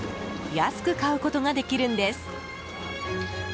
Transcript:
安く買うことができるんです。